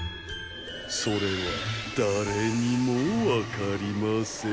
それは誰にもわかりません